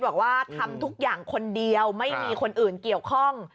บอกว่าทำทุกอย่างคนเดียวไม่มีคนอื่นเกี่ยวข้อง